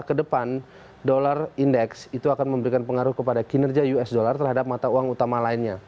kedepan dolar indeks itu akan memberikan pengaruh kepada kinerja us dollar terhadap mata uang utama lainnya